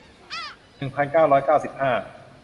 หนึ่งพันเก้าร้อยเก้าสิบห้า